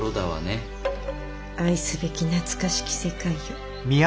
「愛すべき懐かしき世界よ。